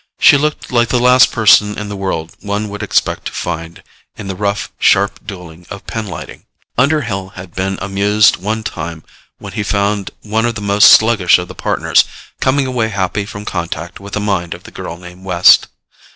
She looked like the last person in the world one would expect to find in the rough, sharp dueling of pinlighting. Underhill had been amused one time when he found one of the most sluggish of the Partners coming away happy from contact with the mind of the girl named West.